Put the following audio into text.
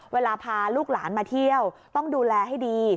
เวลาพาลูกหลานมาเที่ยวต้องดูแลให้ดี